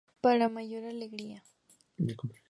Para mayor alegría.